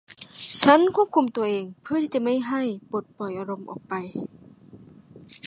ฉันควบคุมตัวเองเพื่อที่จะไม่ให้ปลดปล่อยอารมณ์ออกไป